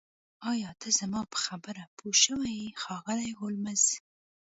ایا ته زما په خبره پوه شوې ښاغلی هولمز